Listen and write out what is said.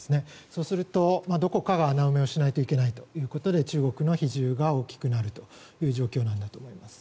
そうするとどこかは穴埋めをしないといけないということで中国の比重が大きくなるという状況なんだと思います。